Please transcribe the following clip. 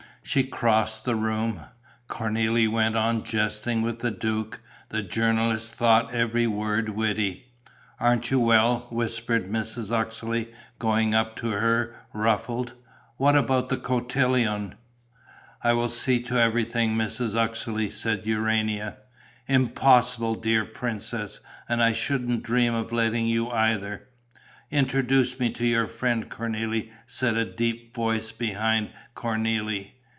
She crossed the room. Cornélie went on jesting with the duke; the journalists thought every word witty. "Aren't you well?" whispered Mrs. Uxeley, going up to her, ruffled. "What about the cotillon?" "I will see to everything, Mrs. Uxeley," said Urania. "Impossible, dear princess; and I shouldn't dream of letting you either." "Introduce me to your friend, Cornélie!" said a deep voice behind Cornélie.